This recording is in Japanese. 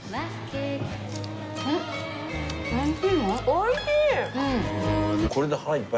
おいしいね。